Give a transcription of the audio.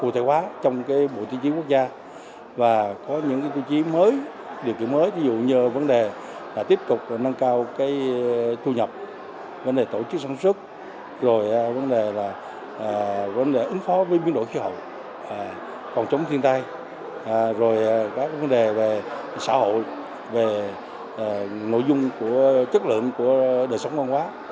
tổ chức sản xuất vấn đề ứng phó với biến đổi khí hậu phòng chống thiên tai vấn đề xã hội nội dung chất lượng của đời sống ngon quá